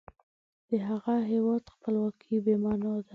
د هغه هیواد خپلواکي بې معنا ده.